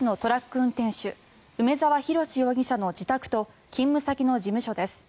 運転手梅沢洋容疑者の自宅と勤務先の事務所です。